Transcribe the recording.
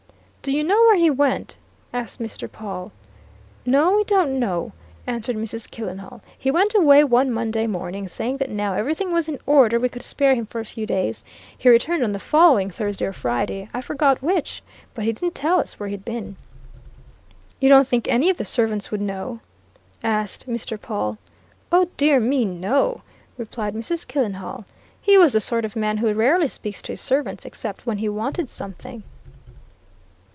"Do you know where he went?" asked Mr. Pawle. "No, we don't know," answered Mrs. Killenhall. "He went away one Monday morning, saying that now everything was in order we could spare him for a few days. He returned on the following Thursday or Friday, I forget which, but he didn't tell us where he had been." "You don't think any of the servants would know?" asked Mr. Pawle. "Oh, dear me, no!" replied Mrs. Killenhall. "He was the sort of man who rarely speaks to his servants except when he wanted something."